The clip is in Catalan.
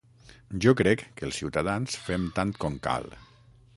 Jo crec que els ciutadans fem tant com cal.